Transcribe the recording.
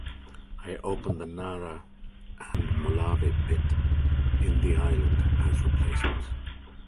It opened the Narra and Molave Pit in the islands as replacements.